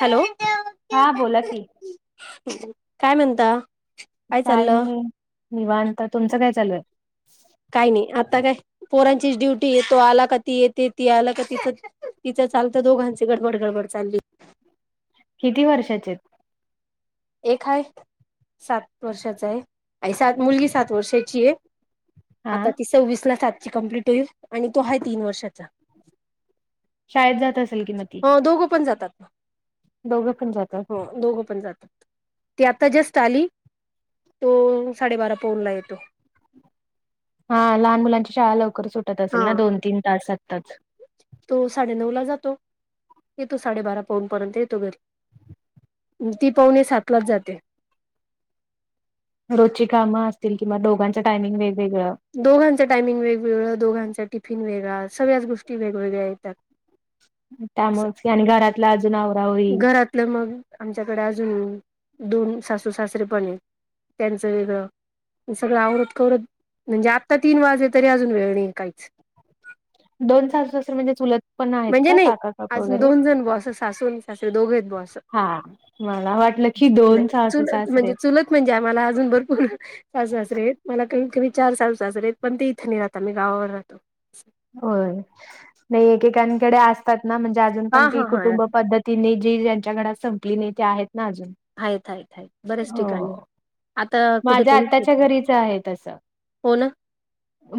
Hello हां बोलां की कायं म्हणतां? कायं नाहीं निवांत तुमचं कायं चालूं आहे? कांहीं नाहीं आंता कायं पोरांचीच ड्युंटी तो येतो आंला कां ती येते ती आंला कां ती तिचं चालतं दोघांची गडबड गडबड चालली किती वर्षाचे आहेतं एक आहे सात वर्षाचा आहे आणि सात मुलंगी सात वर्षाची आहे. आंता हा ती सव्वीसला सातची कंप्लीट होईलं आणि तो आहे तीनं वर्षाचा. शाळेत जात असेल कि मग ती हो दोघं पणं जातांत नां दोघं पण जातात. हो दोघं पणं जातांत. ती आंता जस्टं आलीं तो साडेबारा पोहनला येतो. हां लहांन मुलांची शाळां लवकरं सुटतं असेल हा नां दोन तीनं तांस आमचं. तो साडेनऊ लां जातो येतो साडेबारा पाऊन पर्यंत येतो घरी. ती पावणे सातलाचं जाते. रोजची कामं असतील किंवा दोघांच टायमिंग वेगवेगळं दोघांचं टायमिंग वेगवेगळं, दोघांचा टिफिन वेगळां, सगळ्यांचं गोष्टी वेगवेगळ्यां येतांत. त्यांमुळेचं की आणि घरांतलां अजूंन आंवरा आंवरी. मंग आमच्यांकडे अजूंन दोन सासू सासरे पणं आहेतं. त्यांचं वेगळं सगळं आवरतं कवरतं म्हणजे आंत्ता तीनं वाजले तरी अजूंन वेळं नाहीं कांहींच. दोन तास सासू सासरे म्हणजे चुलतं म्हणजे नाहीं अजूंन दोन जणं बो सासू आणि सासरे दोघे आहेतं बो असं. हां मलां वाटलं की नाही दोन सासू चुलत सासरे म्हणजे आहेतं. चुलत म्हणजे आम्हांला अजूंन भरपूंर सासू साजरे आहेतं मलां कमित कमी चार सासू साजरे आहेतं पणं ते इथं नाहीं राहतांत मी गावांवरं राहतो. होयं नाहीं एकेकांकडे असतांत नां म्हणजे अजूंन हा पणं ती हा हा कुटुंब पद्धतं तिने जी ज्यांच्या घरांत संपली नाहीं ते आहेतं नां अजूंन. आहेतं आहेतं आहेतं बऱ्यांच ठिकांणी माझ्यां आत्यांच्या घरीचं आहे तसं. हो ना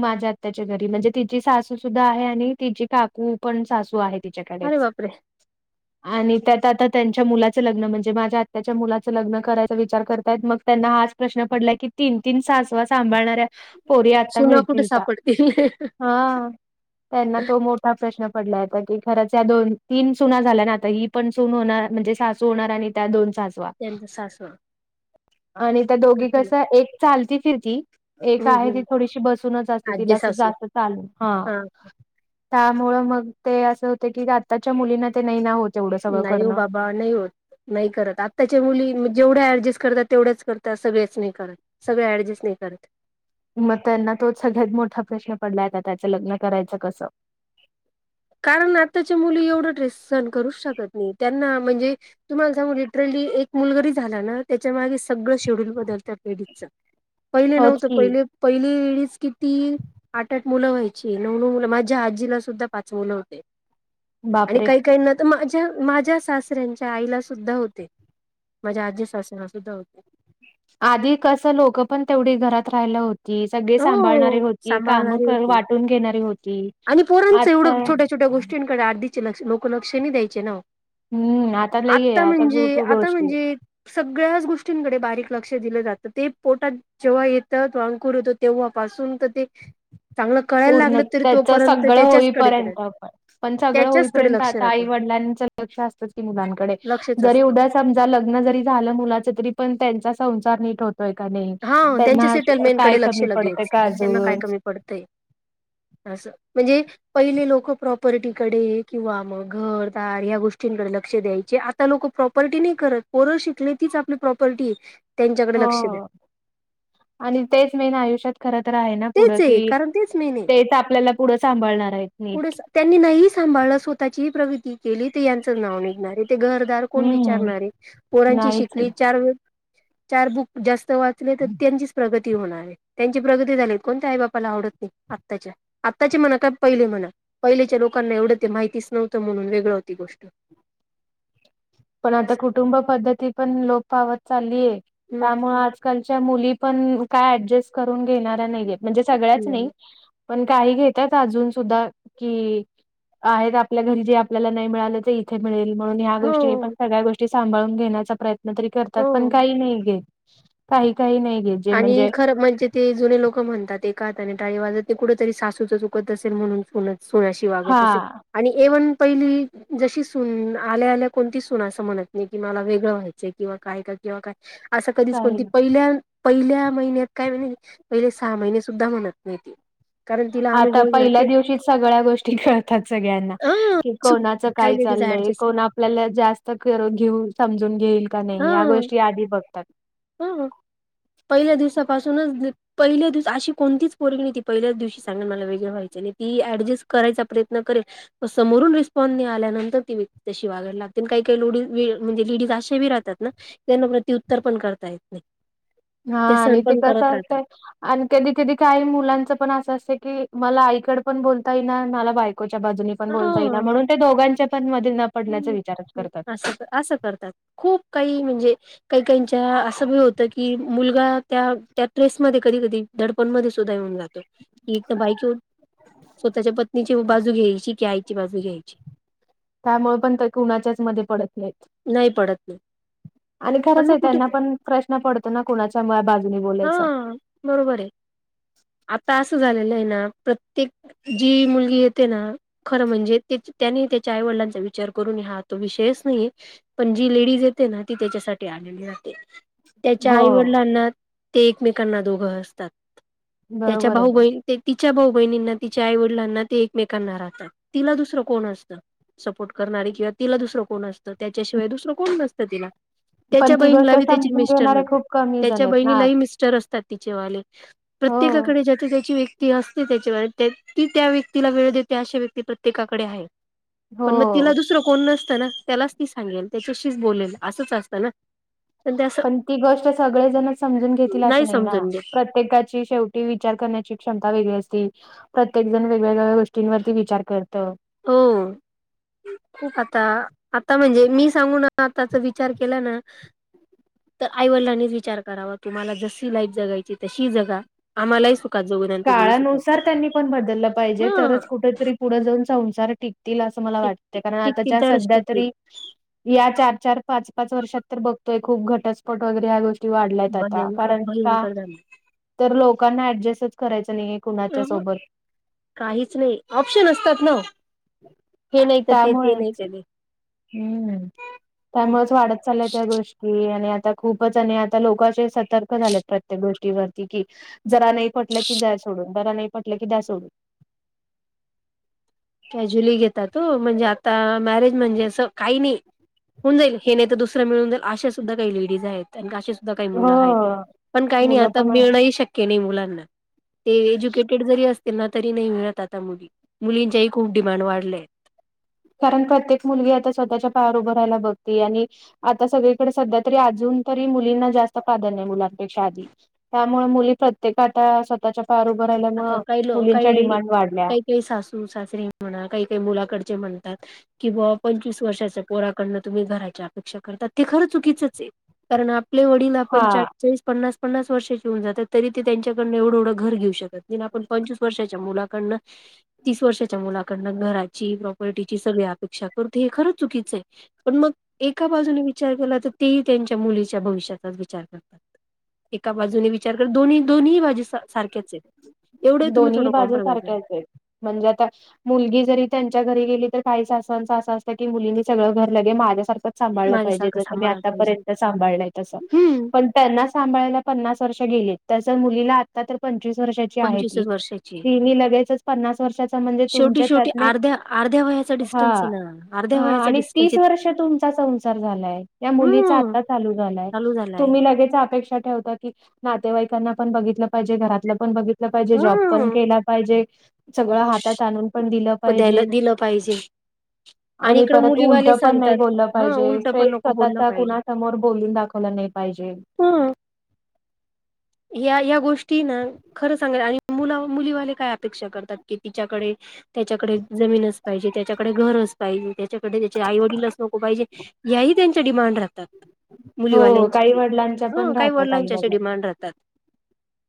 माझ्यां आत्यांच्या घरी म्हणजे तिची सासू सुद्धां आहे आणि तिची काकू पणं सासू आहेतं. अरे तिच्यांकडेचं. [inaudible] [unintelligible] आणि त्यांत आंता त्यांच्या मुलांचं लग्नं म्हणजे माझ्यां आत्त्यांच्या मुलांचं लग्नं करायचा विचार करतायंत मगं त्यांनां हाचं प्रश्न पडलांय की तीनं तीनं सास वां सांभाळणांऱ्या सुनां कुठे सापडतील. हां. त्यांना तो मोठां प्रश्न पडलां आहे आंता की खरंच दोन तीनं सुना झाल्यांना झाल्यां नां आंता ही पणं सूंन होणारं म्हणजे सासू होणारं आणि त्यां दोन सासू त्यांचं सासू. आणि त्यां दोघी कसं एक चालती फिरती एक हं, आहे ती हं. थोडीशी बसवूंनचं असते आज्जे तिलां असं सासू जास्तं चालूं हां. त्यामुळ मग ते असं होते की आत्ताच्या मुलींना ते नाही ना होत. एवढं सगळं नाही वो करणं बाब. बा नाही होत नाही करत आत्ताच्या मुली जेवढ्या ऍडजस्ट करतात तेवढ्याच करतात सगळेच नाही करत. सगळें ऍडजस्ट नाही करत. मग त्यांना तोच सगळ्यात मोठा प्रश्न पडलाय आता त्याच लग्न करायचं कसं? कारण आत्ताच्या मुली एवढं ड्रेस सहण करूच शकत नाही त्यांना म्हणजे. तुम्हाला सांगु लिटरली एक मुल जरी झाल ना त्याच्या मागे सगळं शेड्यूल बदलत लेडिजचं. पहिले होच नव्हतं की पहिले. पहिली लेडीज किती आठ आठ मुलं व्हायची नऊ नऊ माझ्या आजीला सुद्धा. पाच मुलं होते आणि बापरे काही काही ना तर माझ्या माझ्या सासऱ्यांच्या आईला सुद्धा होते. माझ्या आजी सासूना सुद्धा होते. आधी कसं लोक पण तेवढी घरात राहिला होतीत. सगळे सांभाळणारी हो होती काम सांभाळणारी कर होती. वाटून घेणारी होती. आणि पोरांचं आता एवढं छोट्या छोट्या गोष्टींकडे आर्धीचे लक्ष लोक लक्ष नाही द्यायचे ना वो. हम्म लई आहे आता म्हणजे खूप आता गोष्टी म्हणजे सगळ्याच गोष्टींकडे बारीक लक्ष दिलं जात ते पोटात. जेव्हा येतात अंकुर होेतो तेव्हापसून तर ते चांगलं कळायला पूर्ण लागलं तर. त्याच सगळं होईपर्यंत पण. पण सगळं त्याच्याचकडे होईपर्यंत लक्ष आता आई राहतं वडीलांच लक्ष असत की मुलांकडे लक्षच जरी असतं. उद्या. समजा लग्न जरी झालं मुलाच तरी पण संसार नीट होत. य का नाही हा त्यांच्या त्यांना आज आजून काय सेटलमेंटकडे कमी पडतं का अजून. पडतय असं म्हणजे पहिले लोक प्रॉपर्टीकडे किंवा मग घरदार ह गोष्टींकडे लक्ष द्यायचे आ. आत्ता लोक प्रॉपर्टी नाही करत पर शिकले तीच आपली प्रॉपर्टी त्यांच्याकडे लक्ष द्या. हो आणि तेच मेन आयुष्यात. खर तर आहे ना पुढं तेच की आहे कारण तेच मेन आहे तेच आपल्याला पुढं सांभाळणार आहेत पुढे नीट. त्यांनी नाही सांभाळलं स्वतःची प्रगृती केली ते यांचं नाव निघणार आहे ते घर. त्याला कोण हम्म विचारणार आहे पोरांची नाहीच की शिकली चार चार बुक जास्त वाढ. तर त्यांचीच प्रगती होणार आहे त्यांची प्रगती झाली कोणत्या आई बापाला आवडत नाही आत्ताच्या. आत्ताचे म्हणा काय पहिले म्हणा पहिलेच्या लोकांना एवढं ते माहितीच नव्हतं म्हणून वेगळं होती गोष्ट. [inaudible] पण असं आता कुटुंब पद्धती पण लोप पावत चाललीय मग त्यामुळे. आलच्या मुली पण काय ऍडजस्ट करून घेणार नाहीये म्हणजे सगळ्याच नाही. पण काही घेतात अजून सुद्धा कि आहेत आपल्या घरी जे आपल्याला नाही मिळालं ते इथे मिळेल. म्हणून ह्या हो गोष्टी पण सगळ्या गोष्टी सांभाळून घेण्याचा प्रयत्न तरी करतात हो पण काही नाही घेतं. काही काही नाही घेत. आणि खरं म्हणजे ते जुने लोक म्हणतात कात आणि टाळे वाजत ते कुठ तरी सासूचं चुकत असे म्हणून सोनत सोन. हा वागत असे. आणि एव्हन पहिली जशी सून आल्या आल्या कोणती सून असं म्हणत नाही की मला वेगळं व्हाय. किंवा काय का किंवा अस काही कधी नाही पहिल्या. पहिल्या महिन्यात काय म्हणज पहिले सहा महिने सुद्धा म्हणत नाहीती. आता पहिल्या दिवशी सगळ्या गोष्टी कळतात सगळ्यांना. ह कि कोणाच काय काही लेडीज चाललंय, ऍडजस्ट कोण आपल्याला जास्त. कर घेऊ समजून घेईल का नाही. या गोष्टी आधी बघतात. हा पहिल्या दिवसापासूनच, पहिल्या दिवस अशी कोणतीच पोरगणी ती पहिल्याच सांगेल मला वेगळें व्हायचे आणि ऍडजस्ट करायचा प्रयत्न करेल. समोरून रिस्पॉन्स मिळाल्यानंतर की ती तशी वागयला लागते, काही काही लोडीज म्हणजे डीज अशा बी राहते? त्यांना प्रत्युत्तर पण करता येत नाही? हा त्या सण आणि ते पण करत कसं राहतात असेल? आणि कधी कधी काही मुलांचं पण असं असतं की. मला आईकड पण बोलता येई ना, मला बायकोच्या बाजूने ण बोल हा म्हणून ते दोघांच्या पण मध्ये, पडण्याचा विचारच करतात. असं असं करतात. खूप काही म्हणजे, काही काहीच्या असं भ होतं की, मुलगा त्या त्या ट्रेसमध्येध्ये कधी कधी धडपण म सुद्धा येऊन जातो. की एक तर बाईक स्वतःच्या पत्नीची बाजू घ्यायची की आईची बाजू घ्यायची [unintelligible] त्यामुळे पण ते कुणाच्याच मध्ये पडत नाहीत. नाही पडत नाही? आणि पण खरंच मग आहे, कुठे त्यांना पण प्रश्न पडतो ना कोणाच्या मु बाजूनी बोलायचं हां बरोबर आहे? आता असं झालेलं आहे ना प्रत्येक जी मुलगी येते ना खरं म्हणजे त्याने त्याच्या आईवडिलांचा विचार करून हा तो विषयच नाहीय. पण जी लेडीज येते ना, ती त्याच्यासाठी आलेली जाते-. त्याच्या आई हो. वडिलांना, ते एकमेकांना दोघं असतात त्याच्या बरोबर आहे भाऊ ना बण ते तिच्या भाऊ बहिणींना तिच्या आई वडिलांना ते एकमेकांना राहतात, तिला दुसरं कोण असतं? सपोर्ट करणारे किंवा तिला दुसरं कोण असतं, त्याच्याशिवाय दुसरं कोण नसतं तिला. पण त्याच्या ती गोष्ट बहिणीला ब त्याची समजून मिस्टर घेणारे नव्हते, खूप कमी जण त्याच्या आहेत बहिण ना. मिस्टर असतात तिच्या वाले, हो. प्रत्येकाकडे ज्याची त्याची वेगळी ती असते त्याच्यावर, ती त्या व्यक्तीला वेळ देते अशा व्यक्ती प्रत्येकाकडे आहे? पण मग हो तिलास दुसर कोण नसतं ना, त्यालाच ती सांगेल त्याच्याशी बोलेल असंच असतं. ना पण त्यां ती गोष्ट सगळेजण समजून घेतील असं नाही, ना समजून घेत प्रत्येकाची शेवटी विचार करण्याची क्षमता वेगळी असती, प्रत्येकजण वेगळ्या वेगळ्या गोष्टींवरती विचार करत. हो? खूप आता, आता म्हणजे मी सांगून आताचा विचार केला ना. तर आईवडिलांनीच विचार करावा तुम्हाला जशी लाईफ जगायची तशीतशी जगा. आम्हालाही सुखात जगू द्या आणि तुम्हीही सुखात काळानुसार जगा त्यांनी पण बदललं पाहिजे, हा तरच कुठरी पुढं जाऊन संसार टिकतील असं मला वाटते, टिकतील कारण आता टिकतील ज्या तरच सध्या टिकतील. तरी या चार चार, पाच पाच वर्षात तर बघतोय खूप घटस्फट वगैरे ह्या गोष्टी, वाढ आ भयंकर कारण का भयंकर झाले तर लोकांना ऍडजस्टच करायच नाही? काहीच नाही ऑप्शन असतात ना. हे नाही करते ते त्यामुळे नाहीक करते ते, हम्म, त्यामुळेच वाढत चाललाय त्या गोष्टी, ी आणि आता खूपच आणि आता लोक अस सतर्क झालेत. प्रत्येक गोष्टीवरती कि, जरा नाही पटलं की द्या सोडून, जरा नाही पटलं की द्या सोडून, कॅज्युली घेतात त म्हणजे आता मॅरेज म्हणजे असं काही नाही, होऊ जाईल हे न तर दुसरं मिळून जाईल, अशच ा काही लेडीज आहेत अशी सुद्धा काही मुलं आहेत, हो. पण काही नाही मुलं आता पण आहे. मिळण शक क्य नाही मुलांना एज्युकेटेड जरी असतील ना, तरी नाही मिळत आता मुली मुलींच्या इ खूप डिमांड वाढलय. कारण प्रत्येक मुलगी आता स्वतःच्या पायावर उभं राहायला बघती आणि आता सगळीकडे सध्या तरी अजून तरी मुलींना जास्त प्रधान्य आहे मुलांपेक्षा आधी त्यामुळे मुली प्रत्येक आता स्वतःच्या पायावर उभं राहिल्यामुळ आता काही लो मुलींच्या काही डिमांड वाढल्या. काही काही सासू सासरी म्हणा काही काही मुलाकडचे म्हणतात किं बुवा पंचवीस वर्षाच पोराकडनं तुम्ही घरायची अपेक्षा करतात ते खरं चुकीचच आहे कारण आपले वडील आपण हा चाळीचाळीस. पन्नास पन्ना वर्षाची होऊन जात त तरी ते त्यांच्याकडनं एवढं एवढं घर घेऊ शकत नाही. आणि आपण पंचवीस वर्षाच्या मुलाकडनं. तीस वर्षाच्या मुलाकडनं घराची प्रॉपर्टीची सगळी अपेक्षा करतो हे खरंच चुकीचं आहे. पण मग एका बाजूने विचार केला तर तेही त्यांच्या मुलीच्या भविष्याचा विचार करतात. एका बाजूने विचार कर दोन्ही दोन्ही बाजू सारख्याच आहेत. एवढे तुम्ही दोन्ही थोडं बाजू कॉम्प्रोमाइज सारख्याच आहेत म्हणजे आता. मुलगी जरी त्यांच्या घरी गेली तर काही सासवांचा असा असतं की मुलींनी सगळं घर लगे माझ्यासारखं. आहे सांभाळलं पाहिजे माझ्यासारखं जस मी सांभाळायला पाहिजे आतापर्यंत सांभाळलंय तसं हम्म पण. त्यांना सांभाळायला पन्नास वर्ष गेलीत तसच मुलीला आता तर पंचवीस वर्षाची आहेत. पंचवीसच वर्षाची आहे. तिनी लगेच च पन्नास वर्षाचा म्हणजे शेवटी तुमच्या शेवटी त्यातने, अर्ध्या अर्ध्या वयाचा हा डिस्टन्स आहे ना अर्ध्या हा वयाचा आणि डिस्टन्स तीस आहे वर्ष तुमचा संसार झालाय त्या मुलीचा हम्म आता चालू झालाय. चालू झालाय तुम्ही लगेच अपेक्षा ठेवतात. कि नातेवाईकांना पण बघितलं पाहिजे घरातलं पण बघितलं पाहिजे जॉब पण हम्म केला पाहिजे. सगळं हातात आणून पण दिलं द्यायला पाहिजे. दिलं पाहिजे आणि इकडे परत उलट मुलीवाले पण नाही सांगतात बोललं हा उलट पण थेट नको बोललं स्वतःचा पाहिजे. कुणा समोर बोलून दाखवला नाही पाहिजे. हम या या गोष्टी ना खरं सांगा आणि मुला मुलीवाले काय अपेक्षा करतात की तिच्याकडे. त्याच्याकडे जमीन अस पाहिजे, त्याच्याकडे घर अस पाहिजे, त्याच्याकडे त्याचे आई वडीलच नको पाहिजे. याही त्यांच्या डिमांड राहतात. हो काही मुलीवाल्यांचे वडिलांच्या पण काही राहतात आई वडिलांचे असे वडला डिमांड राहतात.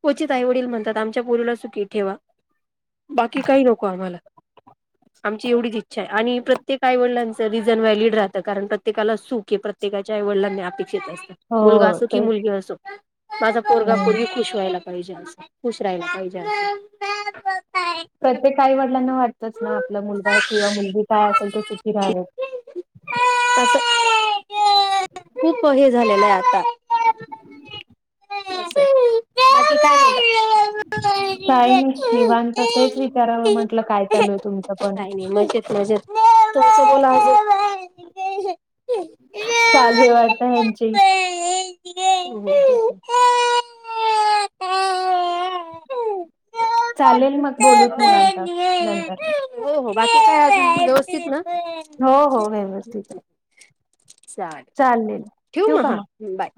क्वचित आई वडील म्हणतात आमच्या पोरीला सुखी ठेवा बाकी काही नको आम्हाला. आमची एवढीच इच्छा आहे आणि प्रत्येक आई वडीलांचं. रिजन व्हॅलीड राहत कारण प्रत्येकाला सुख हे प्रत्येकाच्या आईवडिलांनी आपली. मुलगा हो असो की तेच मुलगी असो माझा पोरगा हम्म. पोरी खुश व्हायला पाहिजे अस खुश राहिला पाहिजे. प्रत्येक आई वडिलांना वाटतंच ना आपला मुलगा किंवा मुलगी काय असेल ते सुखी राहायला पाहिजे. तस, आता खूप हे झालेलं आहे आता. [unintelligible] काही नाही निवांत तेच विचारावं म्हटलं काय नाही चालू आहे तुमचं पण? नाही नाही मजेत मजेत [unintelligible] चालू वाटत ह्यांची चालेल मग बोलूत निवांत नंतर [unintelligible] हो हो व्यवस्थित आहे [unintelligible] चालेल चालेल ठेऊ ठेवू मग का ह हा बाय.